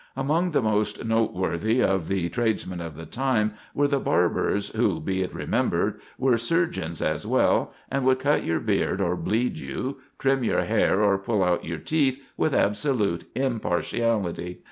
Among the most noteworthy of the tradesmen of the time were the barbers, who, be it remembered, were surgeons as well, and would cut your beard or bleed you, trim your hair or pull out your teeth, with absolute impartiality.